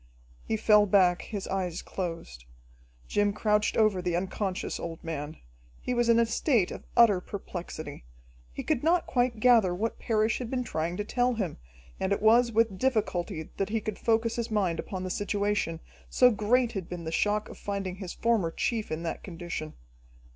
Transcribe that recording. He fell back, his eyes closed. Jim crouched over the unconscious old man. He was in a state of utter perplexity. He could not quite gather what Parrish had been trying to tell him, and it was with difficulty that he could focus his mind upon the situation, so great had been the shock of finding his former chief in that condition.